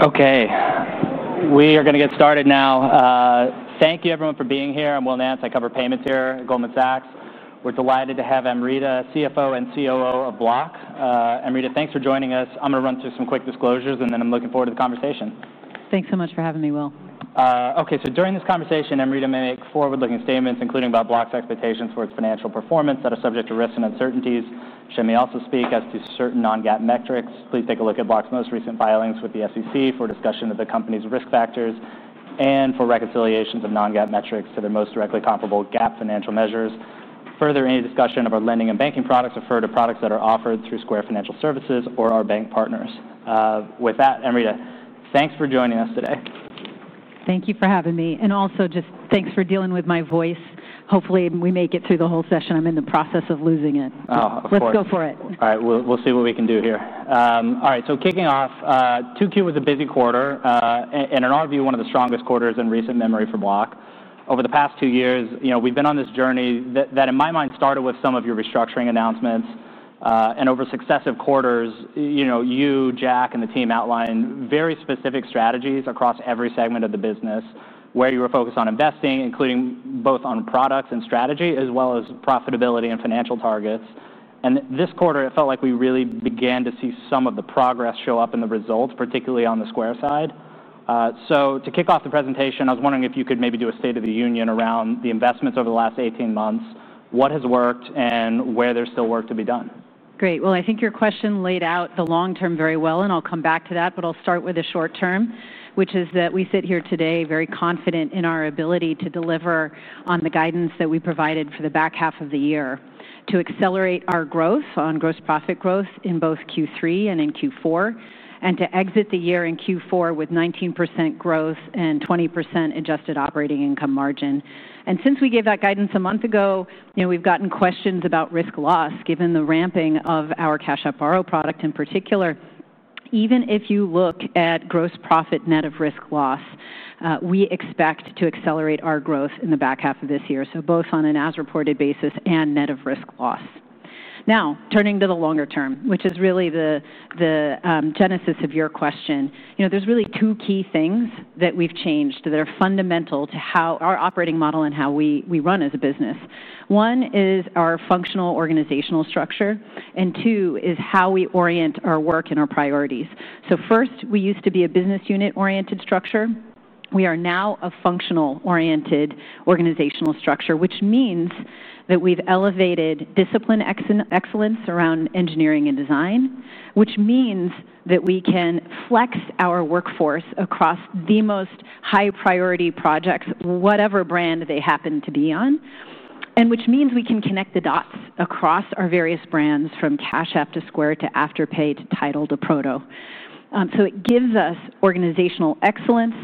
Okay, we are going to get started now. Thank you everyone for being here. I'm Will Nance. I cover payments here at Goldman Sachs. We're delighted to have Amrita, CFO and COO of Block. Amrita, thanks for joining us. I'm going to run through some quick disclosures, and then I'm looking forward to the conversation. Thanks so much for having me, Will. Okay, during this conversation, Amrita may make forward-looking statements, including about Block's expectations for its financial performance that are subject to risks and uncertainties. She may also speak as to certain non-GAAP metrics. Please take a look at Block's most recent filings with the SEC for discussion of the company's risk factors and for reconciliations of non-GAAP metrics to their most directly comparable GAAP financial measures. Further, any discussion of our lending and banking products refer to products that are offered through Square Financial Services or our bank partners. With that, Amrita, thanks for joining us today. Thank you for having me. Also, just thanks for dealing with my voice. Hopefully, we make it through the whole session. I'm in the process of losing it. Oh, of course. Let's go for it. All right, we'll see what we can do here. All right, kicking off, Q2 was a busy quarter, and in our view, one of the strongest quarters in recent memory for Block. Over the past two years, we've been on this journey that, in my mind, started with some of your restructuring announcements. Over successive quarters, you, Jack, and the team outlined very specific strategies across every segment of the business, where you were focused on investing, including both on products and strategy, as well as profitability and financial targets. This quarter, it felt like we really began to see some of the progress show up in the results, particularly on the Square side. To kick off the presentation, I was wondering if you could maybe do a State of the Union around the investments over the last 18 months, what has worked, and where there's still work to be done. Great. I think your question laid out the long term very well, and I'll come back to that, but I'll start with the short term, which is that we sit here today very confident in our ability to deliver on the guidance that we provided for the back half of the year to accelerate our growth on gross profit growth in both Q3 and in Q4, and to exit the year in Q4 with 19% growth and 20% adjusted operating income margin. Since we gave that guidance a month ago, we've gotten questions about risk loss, given the ramping of our Cash App Borrow product in particular. Even if you look at gross profit net of risk loss, we expect to accelerate our growth in the back half of this year, both on an as-reported basis and net of risk loss. Now, turning to the longer term, which is really the genesis of your question, there's really two key things that we've changed that are fundamental to our operating model and how we run as a business. One is our functional organizational structure, and two is how we orient our work and our priorities. First, we used to be a business unit-oriented structure. We are now a functional-oriented organizational structure, which means that we've elevated discipline excellence around engineering and design, which means that we can flex our workforce across the most high-priority projects, whatever brand they happen to be on, and which means we can connect the dots across our various brands from Cash App to Square to Afterpay to TIDAL to Proto. It gives us organizational excellence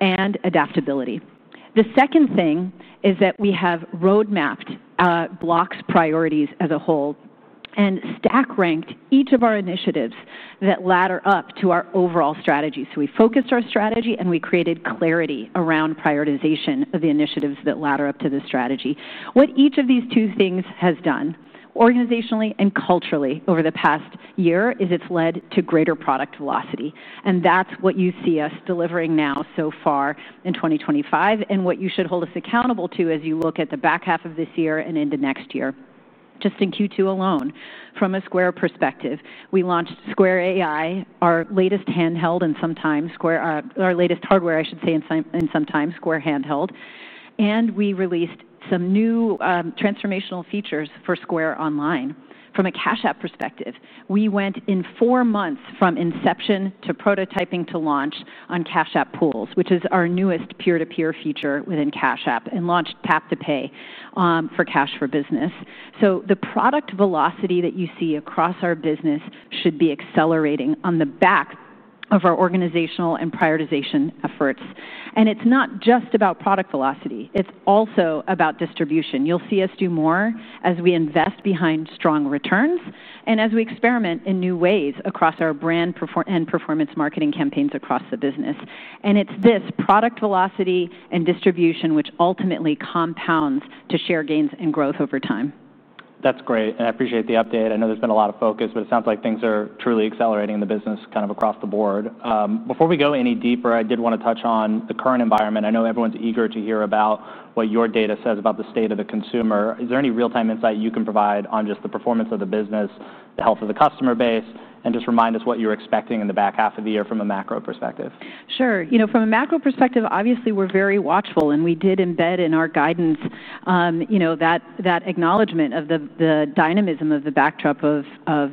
and adaptability. The second thing is that we have roadmapped Block's priorities as a whole and stack-ranked each of our initiatives that ladder up to our overall strategy. We focused our strategy, and we created clarity around prioritization of the initiatives that ladder up to the strategy. What each of these two things has done organizationally and culturally over the past year is it's led to greater product velocity. That's what you see us delivering now so far in 2025, and what you should hold us accountable to as you look at the back half of this year and into next year. Just in Q2 alone, from a Square perspective, we launched Square AI, our latest handheld and sometimes Square, our latest hardware, I should say, and sometimes Square Handheld. We released some new transformational features for Square Online. From a Cash App perspective, we went in four months from inception to prototyping to launch on Cash App Pools, which is our newest peer-to-peer feature within Cash App, and launched Tap to Pay for Cash for Business. The product velocity that you see across our business should be accelerating on the back of our organizational and prioritization efforts. It's not just about product velocity. It's also about distribution. You'll see us do more as we invest behind strong returns, and as we experiment in new ways across our brand and performance marketing campaigns across the business. It's this product velocity and distribution which ultimately compounds to share gains and growth over time. That's great. I appreciate the update. I know there's been a lot of focus, but it sounds like things are truly accelerating in the business across the board. Before we go any deeper, I did want to touch on the current environment. I know everyone's eager to hear about what your data says about the state of the consumer. Is there any real-time insight you can provide on the performance of the business, the health of the customer base, and just remind us what you're expecting in the back half of the year from a macro perspective? Sure. From a macro perspective, obviously, we're very watchful, and we did embed in our guidance that acknowledgment of the dynamism of the backdrop of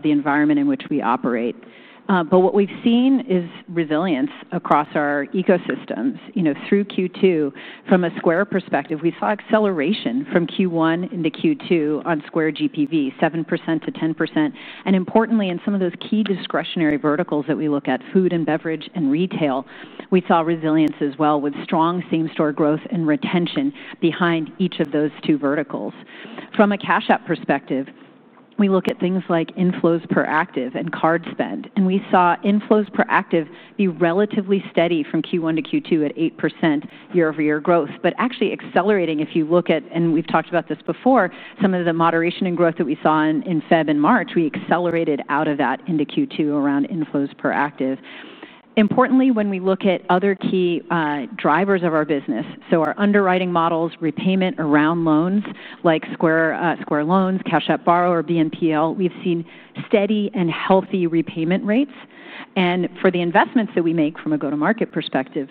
the environment in which we operate. What we've seen is resilience across our ecosystems. Through Q2, from a Square perspective, we saw acceleration from Q1 into Q2 on Square GPV, 7% to 10%. Importantly, in some of those key discretionary verticals that we look at, food and beverage and retail, we saw resilience as well, with strong same-store growth and retention behind each of those two verticals. From a Cash App perspective, we look at things like inflows per active and card spend, and we saw inflows per active be relatively steady from Q1 to Q2 at 8% year-over-year growth, but actually accelerating. If you look at, and we've talked about this before, some of the moderation in growth that we saw in February and March, we accelerated out of that into Q2 around inflows per active. Importantly, when we look at other key drivers of our business, so our underwriting models, repayment around loans, like Square Loans, Cash App Borrow, or BNPL, we've seen steady and healthy repayment rates. For the investments that we make from a go-to-market perspective,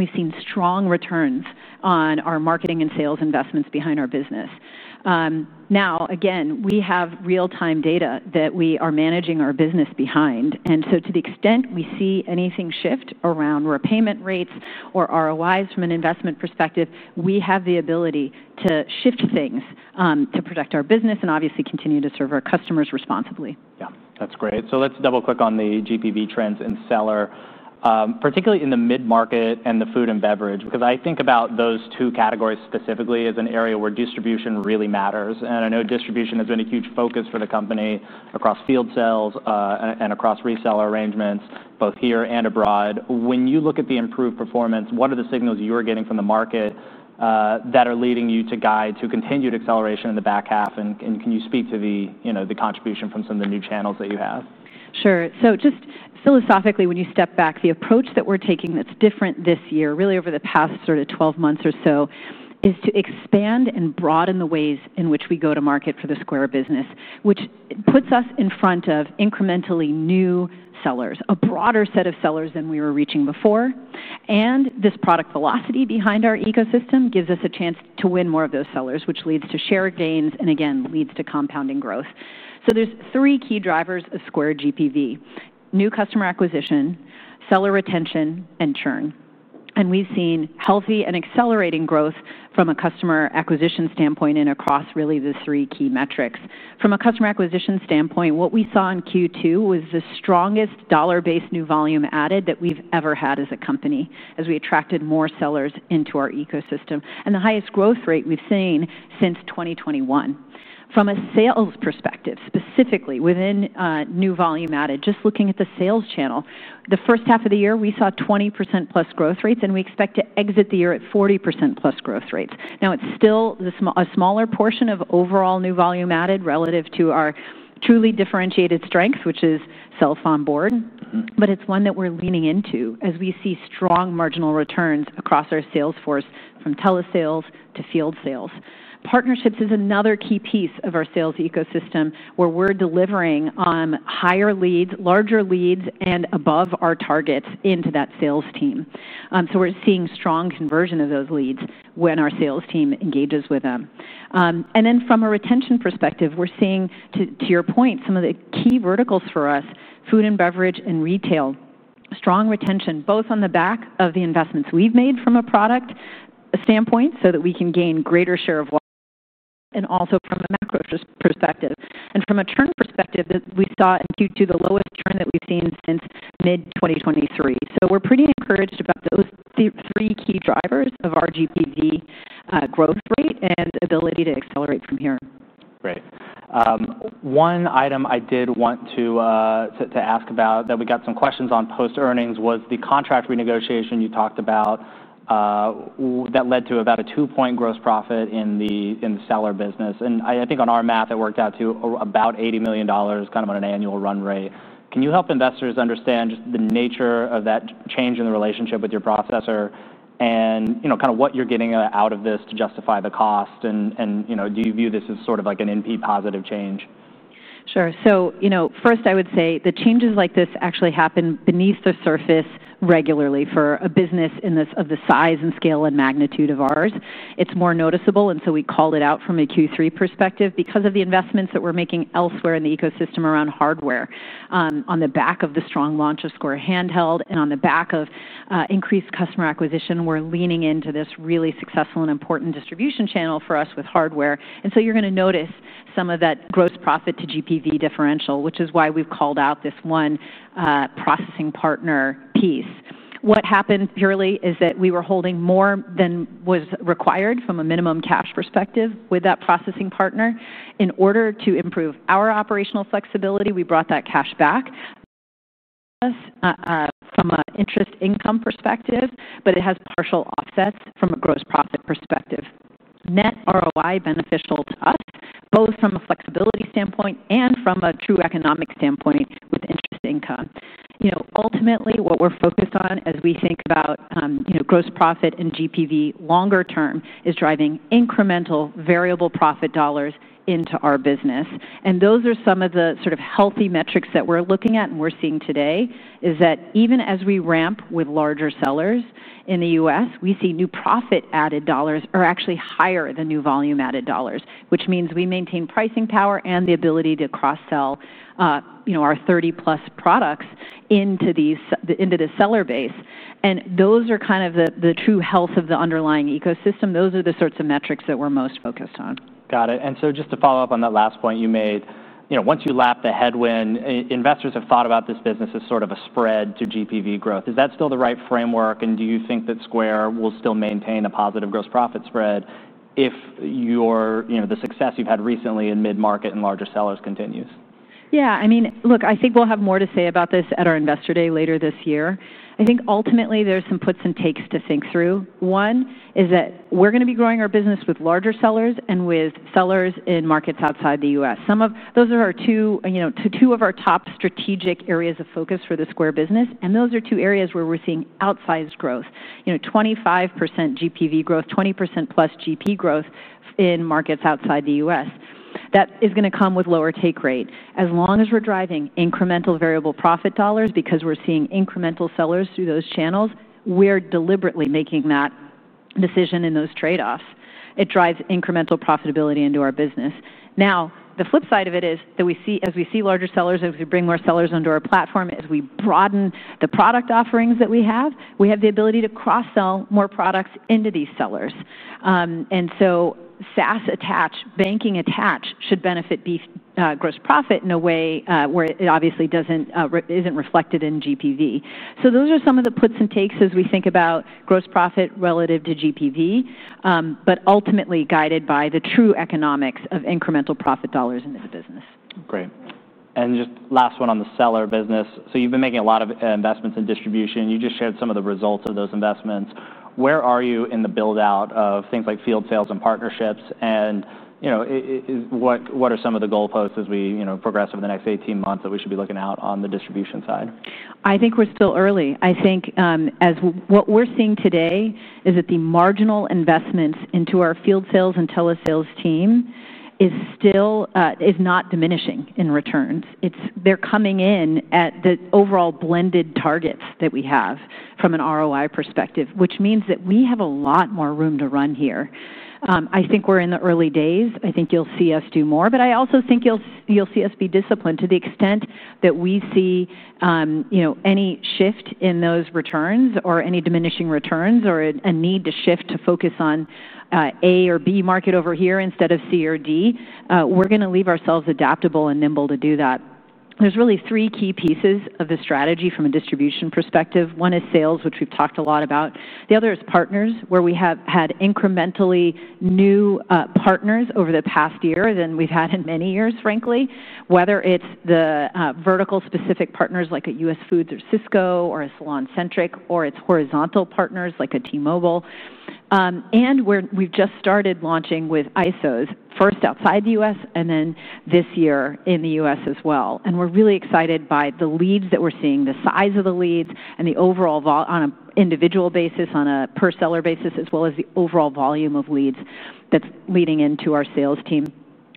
we've seen strong returns on our marketing and sales investments behind our business. We have real-time data that we are managing our business behind. To the extent we see anything shift around repayment rates or ROIs from an investment perspective, we have the ability to shift things to protect our business and obviously continue to serve our customers responsibly. Yeah, that's great. Let's double-click on the GPV trends in Seller, particularly in the mid-market and the food and beverage, because I think about those two categories specifically as an area where distribution really matters. I know distribution has been a huge focus for the company across field sales and across reseller arrangements, both here and abroad. When you look at the improved performance, what are the signals you're getting from the market that are leading you to guide to continued acceleration in the back half? Can you speak to the contribution from some of the new channels that you have? Sure. Just philosophically, when you step back, the approach that we're taking that's different this year, really over the past sort of 12 months or so, is to expand and broaden the ways in which we go to market for the Square business, which puts us in front of incrementally new sellers, a broader set of sellers than we were reaching before. This product velocity behind our ecosystem gives us a chance to win more of those sellers, which leads to share gains and, again, leads to compounding growth. There are three key drivers of Square GPV: new customer acquisition, seller retention, and churn. We've seen healthy and accelerating growth from a customer acquisition standpoint and across really the three key metrics. From a customer acquisition standpoint, what we saw in Q2 was the strongest dollar-based new volume added that we've ever had as a company, as we attracted more sellers into our ecosystem, and the highest growth rate we've seen since 2021. From a sales perspective, specifically within new volume added, just looking at the sales channel, the first half of the year, we saw 20%+ growth rates, and we expect to exit the year at 40%+ growth rates. It's still a smaller portion of overall new volume added relative to our truly differentiated strength, which is self-on-board, but it's one that we're leaning into as we see strong marginal returns across our sales force, from telesales to field sales. Partnerships is another key piece of our sales ecosystem where we're delivering on higher leads, larger leads, and above our targets into that sales team. We're seeing strong conversion of those leads when our sales team engages with them. From a retention perspective, we're seeing, to your point, some of the key verticals for us: food and beverage and retail, strong retention both on the back of the investments we've made from a product standpoint so that we can gain greater share of wallet and also from a macro perspective. From a churn perspective, we saw in Q2 the lowest churn that we've seen since mid-2023. We're pretty encouraged about those three key drivers of our GPV growth rate and ability to accelerate from here. Great. One item I did want to ask about that we got some questions on post-earnings was the contract renegotiation you talked about that led to about a 2% gross profit in the seller business. I think on our math, it worked out to about $80 million, kind of on an annual run rate. Can you help investors understand just the nature of that change in the relationship with your processor and kind of what you're getting out of this to justify the cost? Do you view this as sort of like an NP positive change? Sure. First, I would say the changes like this actually happen beneath the surface regularly for a business of the size and scale and magnitude of ours. It's more noticeable, and we called it out from a Q3 perspective because of the investments that we're making elsewhere in the ecosystem around hardware. On the back of the strong launch of Square Handheld and on the back of increased customer acquisition, we're leaning into this really successful and important distribution channel for us with hardware. You're going to notice some of that gross profit to GPV differential, which is why we've called out this one processing partner piece. What happened purely is that we were holding more than was required from a minimum cash perspective with that processing partner. In order to improve our operational flexibility, we brought that cash back from an interest income perspective, but it has partial offsets from a gross profit perspective. Net ROI is beneficial to us, both from a flexibility standpoint and from a true economic standpoint with interest income. Ultimately, what we're focused on as we think about gross profit and GPV longer term is driving incremental variable profit dollars into our business. Those are some of the sort of healthy metrics that we're looking at and we're seeing today is that even as we ramp with larger sellers in the U.S., we see new profit-added dollars are actually higher than new volume-added dollars, which means we maintain pricing power and the ability to cross-sell our 30+ products into the seller base. Those are kind of the true health of the underlying ecosystem. Those are the sorts of metrics that we're most focused on. Got it. Just to follow up on that last point you made, once you lap the headwind, investors have thought about this business as sort of a spread to GPV growth. Is that still the right framework? Do you think that Square will still maintain a positive gross profit spread if the success you've had recently in mid-market and larger sellers continues? Yeah, I mean, look, I think we'll have more to say about this at our Investor Day later this year. I think ultimately there's some puts and takes to think through. One is that we're going to be growing our business with larger sellers and with sellers in markets outside the U.S. Those are two of our top strategic areas of focus for the Square business. Those are two areas where we're seeing outsized growth, 25% GPV growth, 20%+ GP growth in markets outside the U.S. That is going to come with lower take rate. As long as we're driving incremental variable profit dollars because we're seeing incremental sellers through those channels, we're deliberately making that decision in those trade-offs. It drives incremental profitability into our business. The flip side of it is that as we see larger sellers, as we bring more sellers onto our platform, as we broaden the product offerings that we have, we have the ability to cross-sell more products into these sellers. SaaS attached, banking attached should benefit gross profit in a way where it obviously isn't reflected in GPV. Those are some of the puts and takes as we think about gross profit relative to GPV, but ultimately guided by the true economics of incremental profit dollars into the business. Great. Just last one on the seller business. You've been making a lot of investments in distribution. You just shared some of the results of those investments. Where are you in the build-out of things like field sales and partnerships? What are some of the goalposts as we progress over the next 18 months that we should be looking out on the distribution side? I think we're still early. I think what we're seeing today is that the marginal investments into our field sales and telesales team is not diminishing in returns. They're coming in at the overall blended targets that we have from an ROI perspective, which means that we have a lot more room to run here. I think we're in the early days. I think you'll see us do more, but I also think you'll see us be disciplined to the extent that we see any shift in those returns or any diminishing returns or a need to shift to focus on A or B market over here instead of C or D. We're going to leave ourselves adaptable and nimble to do that. There are really three key pieces of the strategy from a distribution perspective. One is sales, which we've talked a lot about. The other is partners, where we have had incrementally new partners over the past year than we've had in many years, frankly. Whether it's the vertical-specific partners like a US Foods or Cisco or SalonCentric, or it's horizontal partners like T-Mobile. We've just started launching with ISOs, first outside the U.S. and then this year in the U.S. as well. We're really excited by the leads that we're seeing, the size of the leads, and the overall on an individual basis, on a per seller basis, as well as the overall volume of leads that's leading into our sales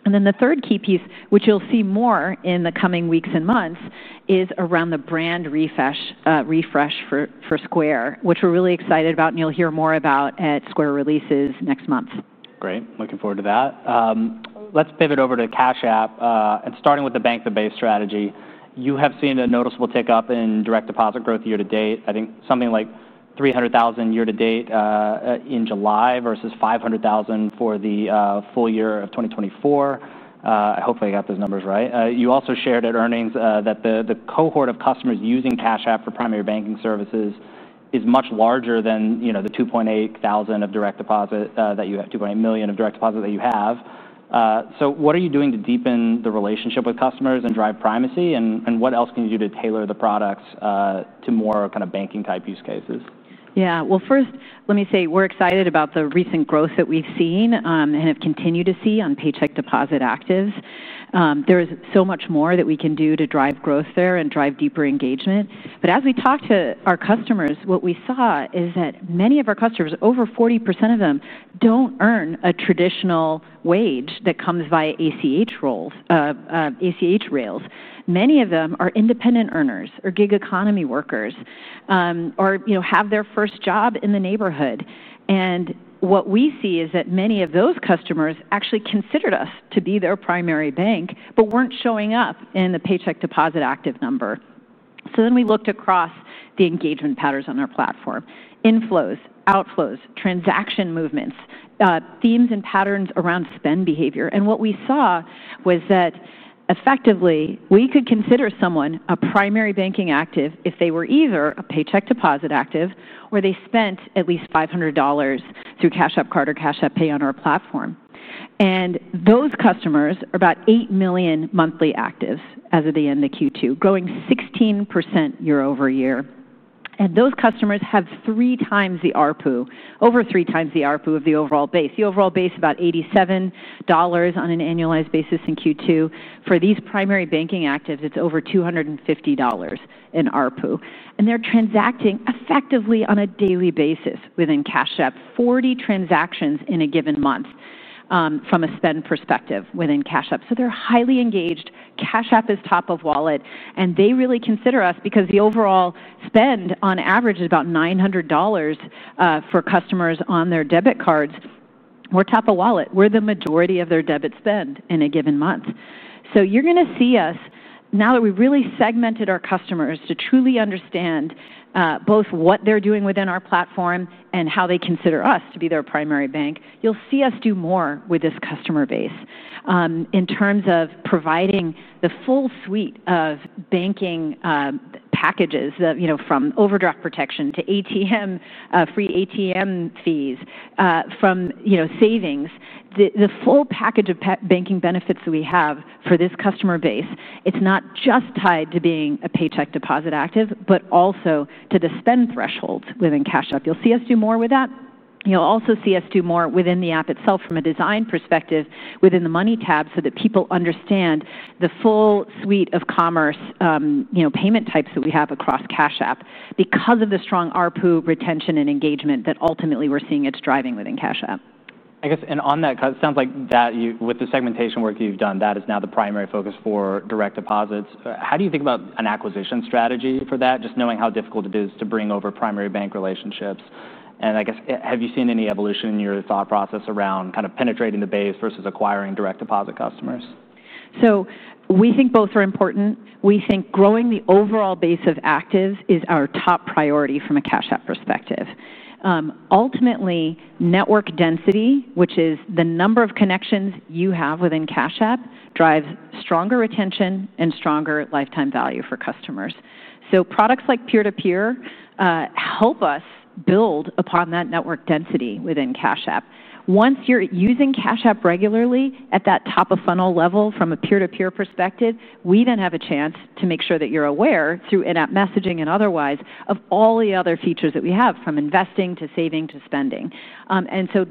team. The third key piece, which you'll see more in the coming weeks and months, is around the brand refresh for Square, which we're really excited about and you'll hear more about at Square releases next month. Great. Looking forward to that. Let's pivot over to Cash App and starting with the bank-to-base strategy. You have seen a noticeable tick up in direct deposit growth year to date. I think something like 300,000 year to date in July versus 500,000 for the full year of 2024. I hopefully got those numbers right. You also shared at earnings that the cohort of customers using Cash App for primary banking services is much larger than the 2.8 million of direct deposit that you have, 2.8 million of direct deposit that you have. What are you doing to deepen the relationship with customers and drive primacy? What else can you do to tailor the products to more kind of banking type use cases? Yeah, first let me say we're excited about the recent growth that we've seen and have continued to see on paycheck deposit actives. There is so much more that we can do to drive growth there and drive deeper engagement. As we talked to our customers, what we saw is that many of our customers, over 40% of them, don't earn a traditional wage that comes via ACH rails. Many of them are independent earners or gig economy workers or have their first job in the neighborhood. What we see is that many of those customers actually considered us to be their primary bank but weren't showing up in the paycheck deposit active number. We looked across the engagement patterns on their platform, inflows, outflows, transaction movements, themes, and patterns around spend behavior. What we saw was that effectively we could consider someone a primary banking active if they were either a paycheck deposit active or they spent at least $500 through Cash App Card or Cash App Pay on our platform. Those customers are about 8 million monthly actives as of the end of Q2, growing 16% year over year. Those customers have three times the ARPU, over three times the ARPU of the overall base. The overall base is about $87 on an annualized basis in Q2. For these primary banking actives, it's over $250 in ARPU. They're transacting effectively on a daily basis within Cash App, 40 transactions in a given month from a spend perspective within Cash App. They're highly engaged. Cash App is top of wallet. They really consider us because the overall spend on average is about $900 for customers on their debit cards. We're top of wallet. We're the majority of their debit spend in a given month. You're going to see us now that we've really segmented our customers to truly understand both what they're doing within our platform and how they consider us to be their primary bank, you'll see us do more with this customer base in terms of providing the full suite of banking packages, from overdraft protection to free ATM fees, from savings, the full package of banking benefits that we have for this customer base. It's not just tied to being a paycheck deposit active, but also to the spend thresholds within Cash App. You'll see us do more with that. You'll also see us do more within the app itself from a design perspective within the money tab so that people understand the full suite of commerce payment types that we have across Cash App because of the strong ARPU retention and engagement that ultimately we're seeing it's driving within Cash App. I guess, on that, because it sounds like with the segmentation work you've done, that is now the primary focus for direct deposits. How do you think about an acquisition strategy for that, just knowing how difficult it is to bring over primary bank relationships? I guess, have you seen any evolution in your thought process around kind of penetrating the base versus acquiring direct deposit customers? We think both are important. We think growing the overall base of actives is our top priority from a Cash App perspective. Ultimately, network density, which is the number of connections you have within Cash App, drives stronger retention and stronger lifetime value for customers. Products like peer-to-peer help us build upon that network density within Cash App. Once you're using Cash App regularly at that top-of-funnel level from a peer-to-peer perspective, we then have a chance to make sure that you're aware through in-app messaging and otherwise of all the other features that we have, from investing to saving to spending.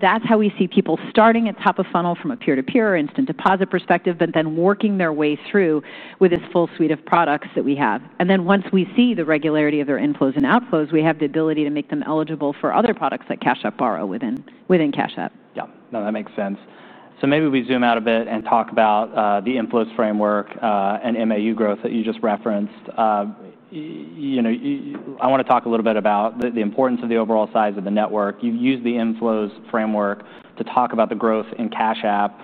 That's how we see people starting at top-of-funnel from a peer-to-peer or instant deposit perspective, but then working their way through with this full suite of products that we have. Once we see the regularity of their inflows and outflows, we have the ability to make them eligible for other products like Cash App Borrow within Cash App. Yeah, no, that makes sense. Maybe we zoom out a bit and talk about the inflows framework and MAU growth that you just referenced. I want to talk a little bit about the importance of the overall size of the network. You've used the inflows framework to talk about the growth in Cash App.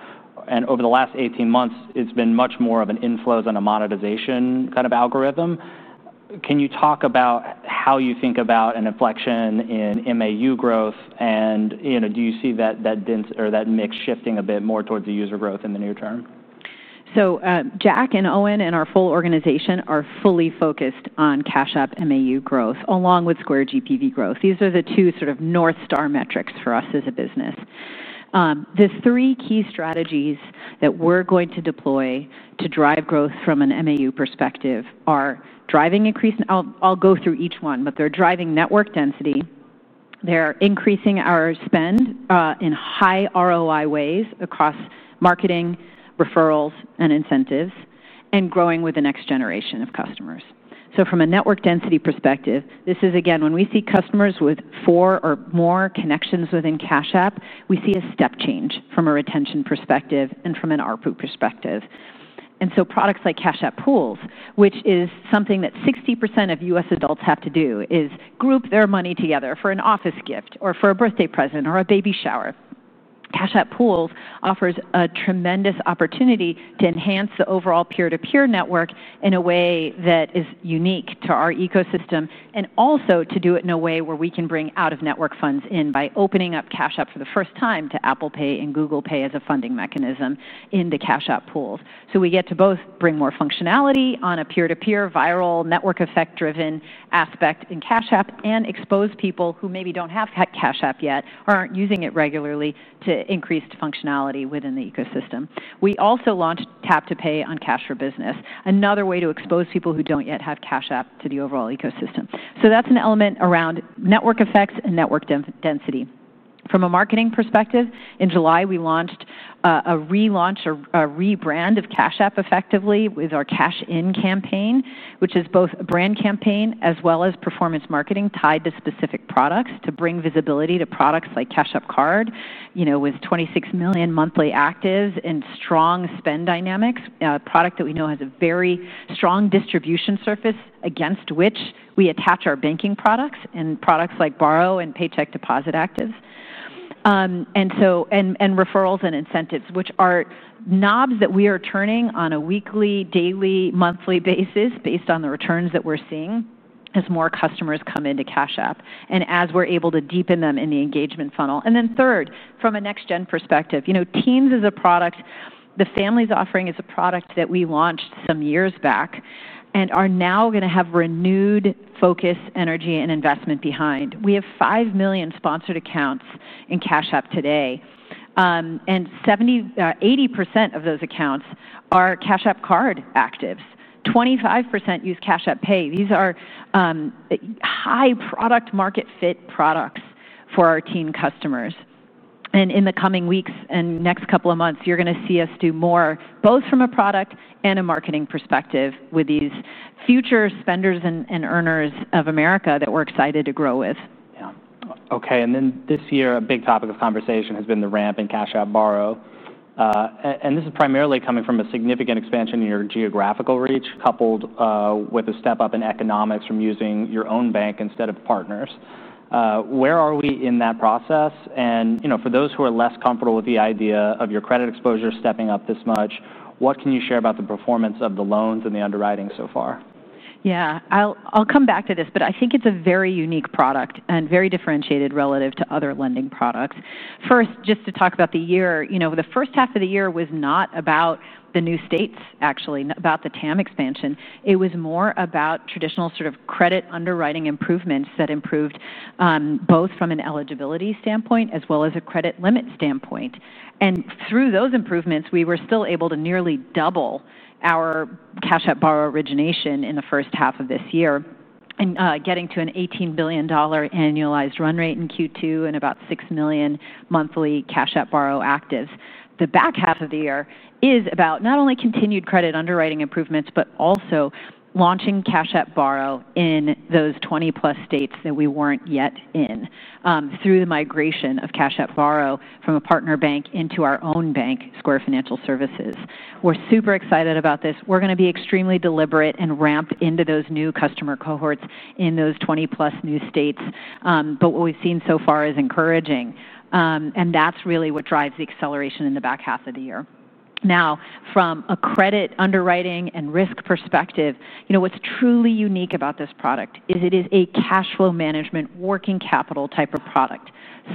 Over the last 18 months, it's been much more of an inflows and a monetization kind of algorithm. Can you talk about how you think about an inflection in MAU growth? Do you see that mix shifting a bit more towards the user growth in the near term? Jack and Owen and our full organization are fully focused on Cash App MAU growth, along with Square GPV growth. These are the two sort of North Star metrics for us as a business. The three key strategies that we're going to deploy to drive growth from an MAU perspective are driving increase. I'll go through each one, but they're driving network density, increasing our spend in high ROI ways across marketing, referrals, and incentives, and growing with the next generation of customers. From a network density perspective, this is, again, when we see customers with four or more connections within Cash App, we see a step change from a retention perspective and from an ARPU perspective. Products like Cash App Pools, which is something that 60% of U.S. adults have to do, is group their money together for an office gift or for a birthday present or a baby shower. Cash App Pools offers a tremendous opportunity to enhance the overall peer-to-peer network in a way that is unique to our ecosystem, and also to do it in a way where we can bring out-of-network funds in by opening up Cash App for the first time to Apple Pay and Google Pay as a funding mechanism in the Cash App Pools. We get to both bring more functionality on a peer-to-peer viral network effect-driven aspect in Cash App and expose people who maybe don't have Cash App yet or aren't using it regularly to increase functionality within the ecosystem. We also launched Tap to Pay on Cash for Business, another way to expose people who don't yet have Cash App to the overall ecosystem. That's an element around network effects and network density. From a marketing perspective, in July, we launched a relaunch or a rebrand of Cash App effectively with our Cash In campaign, which is both a brand campaign as well as performance marketing tied to specific products to bring visibility to products like Cash App Card, with 26 million monthly actives and strong spend dynamics, a product that we know has a very strong distribution surface against which we attach our banking products and products like Borrow and Paycheck Deposit Actives, and referrals and incentives, which are knobs that we are turning on a weekly, daily, monthly basis based on the returns that we're seeing as more customers come into Cash App and as we're able to deepen them in the engagement funnel. From a next-gen perspective, you know, Teens is a product, the Families offering is a product that we launched some years back and are now going to have renewed focus, energy, and investment behind. We have 5 million sponsored accounts in Cash App today, and 80% of those accounts are Cash App Card actives. 25% use Cash App Pay. These are high product market fit products for our Teen customers. In the coming weeks and next couple of months, you're going to see us do more both from a product and a marketing perspective with these future spenders and earners of America that we're excited to grow with. OK. This year, a big topic of conversation has been the ramp in Cash App Borrow. This is primarily coming from a significant expansion in your geographical reach, coupled with a step up in economics from using your own bank instead of partners. Where are we in that process? For those who are less comfortable with the idea of your credit exposure stepping up this much, what can you share about the performance of the loans and the underwriting so far? Yeah, I'll come back to this, but I think it's a very unique product and very differentiated relative to other lending products. First, just to talk about the year, the first half of the year was not about the new states, actually about the TAM expansion. It was more about traditional sort of credit underwriting improvements that improved both from an eligibility standpoint as well as a credit limit standpoint. Through those improvements, we were still able to nearly double our Cash App Borrow origination in the first half of this year, getting to an $18 billion annualized run rate in Q2 and about 6 million monthly Cash App Borrow actives. The back half of the year is about not only continued credit underwriting improvements, but also launching Cash App Borrow in those 20 plus states that we weren't yet in through the migration of Cash App Borrow from a partner bank into our own bank, Square Financial Services. We're super excited about this. We're going to be extremely deliberate and ramp into those new customer cohorts in those 20 plus new states. What we've seen so far is encouraging. That's really what drives the acceleration in the back half of the year. Now, from a credit underwriting and risk perspective, you know, what's truly unique about this product is it is a cash flow management working capital type of product.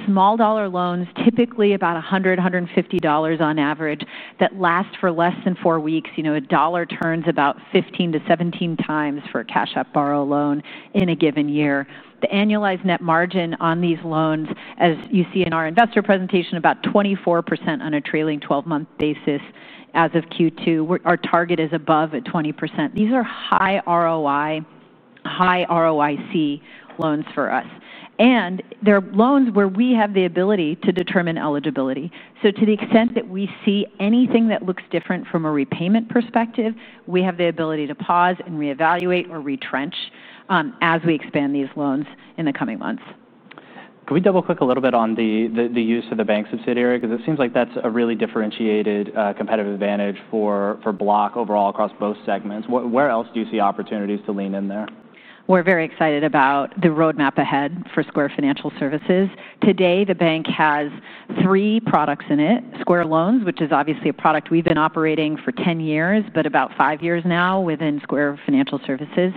Small dollar loans, typically about $100, $150 on average, that last for less than four weeks. A dollar turns about 15 to 17 times for a Cash App Borrow loan in a given year. The annualized net margin on these loans, as you see in our investor presentation, about 24% on a trailing 12-month basis as of Q2. Our target is above at 20%. These are high ROI, high ROIC loans for us. They're loans where we have the ability to determine eligibility. To the extent that we see anything that looks different from a repayment perspective, we have the ability to pause and reevaluate or retrench as we expand these loans in the coming months. Can we double-click a little bit on the use of the bank subsidiary? Because it seems like that's a really differentiated competitive advantage for Block overall across both segments. Where else do you see opportunities to lean in there? We're very excited about the roadmap ahead for Square Financial Services. Today, the bank has three products in it: Square Loans, which is obviously a product we've been operating for 10 years, but about five years now within Square Financial Services,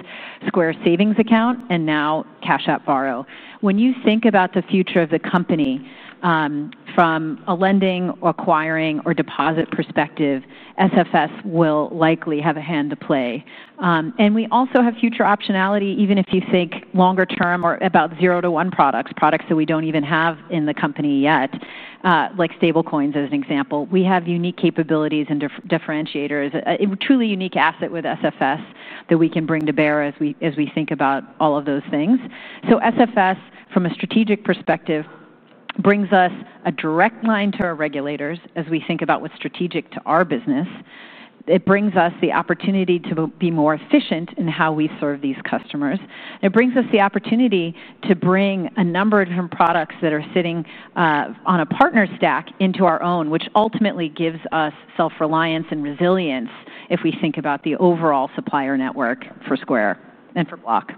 Square Savings Account, and now Cash App Borrow. When you think about the future of the company from a lending, acquiring, or deposit perspective, Square Financial Services will likely have a hand to play. We also have future optionality, even if you think longer term or about zero to one products, products that we don't even have in the company yet, like stable coins as an example. We have unique capabilities and differentiators, a truly unique asset with Square Financial Services that we can bring to bear as we think about all of those things. Square Financial Services, from a strategic perspective, brings us a direct line to our regulators as we think about what's strategic to our business. It brings us the opportunity to be more efficient in how we serve these customers. It brings us the opportunity to bring a number of different products that are sitting on a partner stack into our own, which ultimately gives us self-reliance and resilience if we think about the overall supplier network for Square and for Block.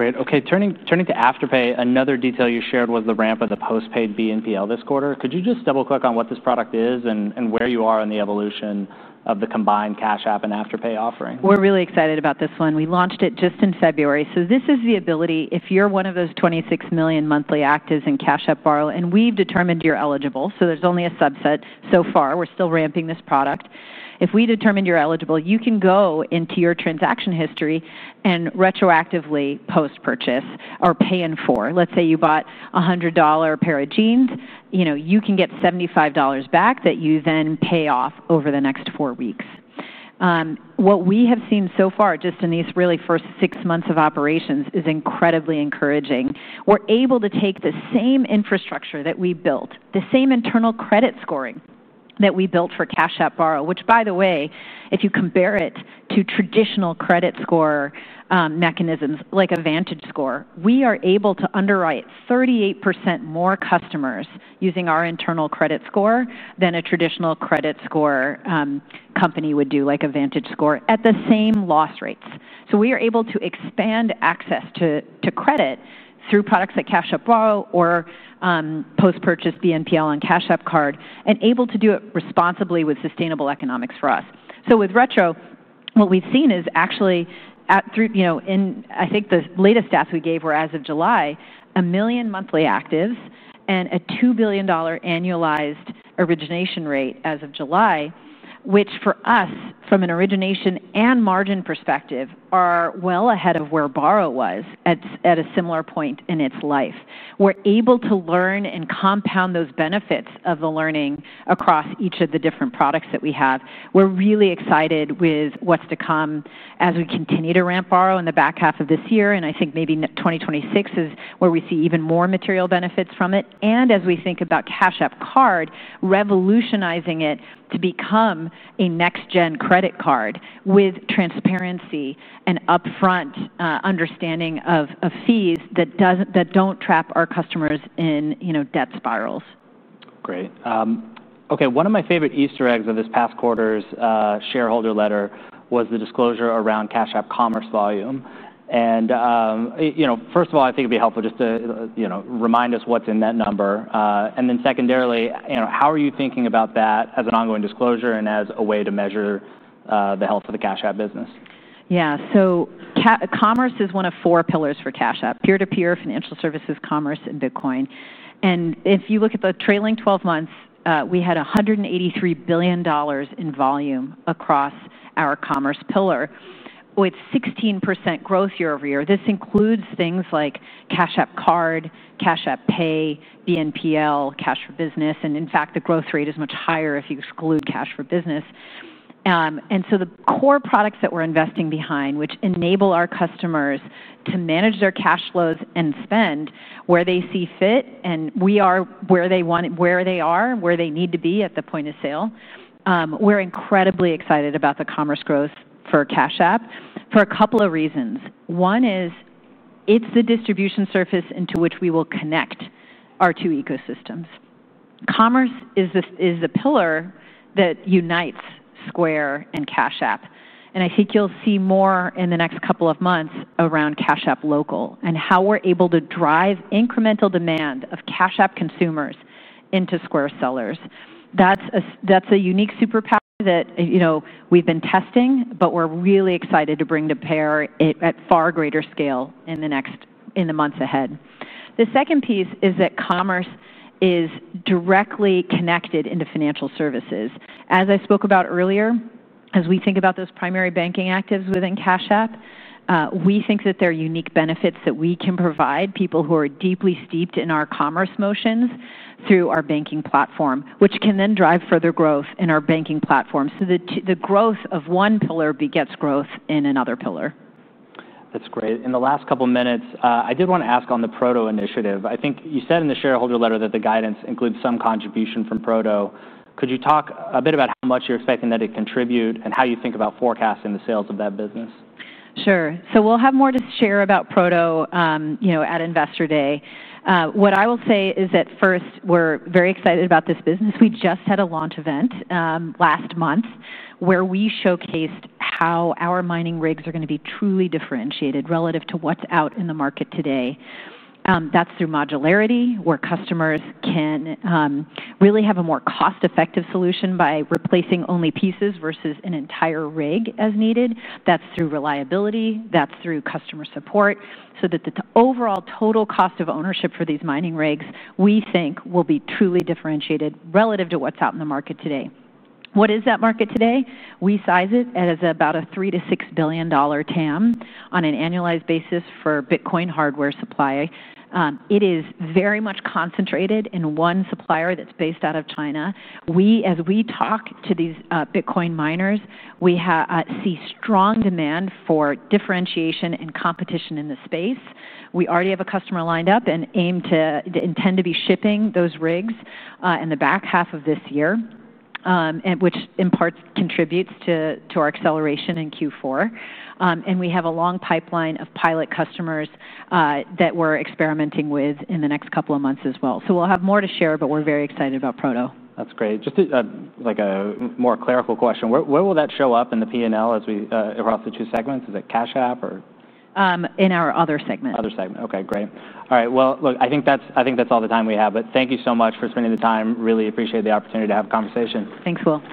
Great. OK. Turning to Afterpay, another detail you shared was the ramp of the postpaid BNPL this quarter. Could you just double-click on what this product is and where you are in the evolution of the combined Cash App and Afterpay offering? We're really excited about this one. We launched it just in February. This is the ability, if you're one of those 26 million monthly actives in Cash App Borrow, and we've determined you're eligible. There's only a subset so far. We're still ramping this product. If we've determined you're eligible, you can go into your transaction history and retroactively post-purchase or pay in full. Let's say you bought a $100 pair of jeans. You can get $75 back that you then pay off over the next four weeks. What we have seen so far, just in these first six months of operations, is incredibly encouraging. We're able to take the same infrastructure that we built, the same internal credit scoring that we built for Cash App Borrow, which, by the way, if you compare it to traditional credit score mechanisms like a Vantage Score, we are able to underwrite 38% more customers using our internal credit score than a traditional credit score company would do, like a Vantage Score, at the same loss rates. We are able to expand access to credit through products like Cash App Borrow or post-purchase BNPL on Cash App Card and able to do it responsibly with sustainable economics for us. With Retro, what we've seen is actually through, in I think the latest stats we gave were as of July, a million monthly actives and a $2 billion annualized origination rate as of July, which for us, from an origination and margin perspective, are well ahead of where Borrow was at a similar point in its life. We're able to learn and compound those benefits of the learning across each of the different products that we have. We're really excited with what's to come as we continue to ramp Borrow in the back half of this year. I think maybe 2026 is where we see even more material benefits from it. As we think about Cash App Card, revolutionizing it to become a next-gen credit card with transparency and upfront understanding of fees that don't trap our customers in debt spirals. Great. OK. One of my favorite Easter eggs of this past quarter's shareholder letter was the disclosure around Cash App Commerce volume. I think it'd be helpful just to remind us what's in that number. Secondarily, how are you thinking about that as an ongoing disclosure and as a way to measure the health of the Cash App business? Yeah, commerce is one of four pillars for Cash App: peer-to-peer, financial services, commerce, and Bitcoin. If you look at the trailing 12 months, we had $183 billion in volume across our commerce pillar with 16% growth year over year. This includes things like Cash App Card, Cash App Pay, BNPL, Cash for Business. In fact, the growth rate is much higher if you exclude Cash for Business. The core products that we're investing behind enable our customers to manage their cash flows and spend where they see fit, and we are where they want it, where they are, where they need to be at the point of sale. We're incredibly excited about the commerce growth for Cash App for a couple of reasons. One is it's the distribution surface into which we will connect our two ecosystems. Commerce is the pillar that unites Square and Cash App. I think you'll see more in the next couple of months around Cash App Local and how we're able to drive incremental demand of Cash App consumers into Square sellers. That's a unique superpower that we've been testing, but we're really excited to bring to bear at far greater scale in the months ahead. The second piece is that commerce is directly connected into financial services. As I spoke about earlier, as we think about those primary banking actives within Cash App, we think that there are unique benefits that we can provide people who are deeply steeped in our commerce motions through our banking platform, which can then drive further growth in our banking platform so that the growth of one pillar gets growth in another pillar. That's great. In the last couple of minutes, I did want to ask on the Proto initiative. I think you said in the shareholder letter that the guidance includes some contribution from Proto. Could you talk a bit about how much you're expecting that to contribute and how you think about forecasting the sales of that business? Sure. We'll have more to share about Proto at Investor Day. What I will say is that first, we're very excited about this business. We just had a launch event last month where we showcased how our mining rigs are going to be truly differentiated relative to what's out in the market today. That's through modularity, where customers can really have a more cost-effective solution by replacing only pieces versus an entire rig as needed. That's through reliability. That's through customer support, so that the overall total cost of ownership for these mining rigs, we think, will be truly differentiated relative to what's out in the market today. What is that market today? We size it as about a $3 to $6 billion TAM on an annualized basis for Bitcoin hardware supply. It is very much concentrated in one supplier that's based out of China. As we talk to these Bitcoin miners, we see strong demand for differentiation and competition in the space. We already have a customer lined up and aim to intend to be shipping those rigs in the back half of this year, which in part contributes to our acceleration in Q4. We have a long pipeline of pilot customers that we're experimenting with in the next couple of months as well. We'll have more to share, but we're very excited about Proto. That's great. Just like a more clerical question, where will that show up in the P&L as we evolve the two segments? Is it Cash App or? In our other segment. Other segment. OK, great. All right. I think that's all the time we have. Thank you so much for spending the time. Really appreciate the opportunity to have a conversation. Thanks, Will.